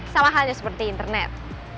sama halnya seperti internet